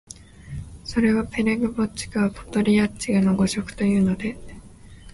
それは「ペレヴォッチクはポドリャッチクの誤植」というので、